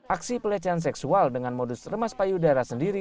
aksi pelecehan seksual dengan modus remas payudara sendiri